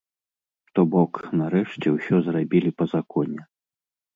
То бок, нарэшце ўсё зрабілі па законе.